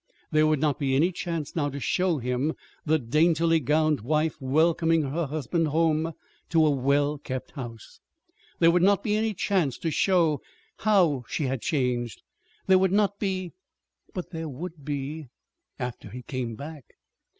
There would not be any chance now to show him the daintily gowned wife welcoming her husband home to a well kept house. There would not be any chance to show how she had changed. There would not be But there would be after he came back.